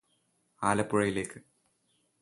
ആലപ്പുഴയിലേക്ക്